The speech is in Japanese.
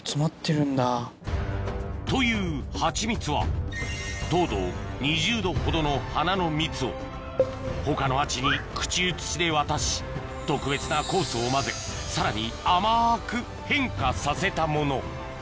というハチミツはほどの花の蜜を他のハチに口移しで渡し特別な酵素を混ぜさらに甘く変化させたもの